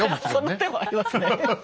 その手もありますね。